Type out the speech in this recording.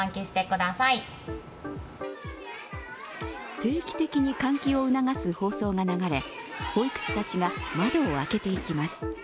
定期的に換気を促す放送が流れ保育士たちが窓を開けていきます。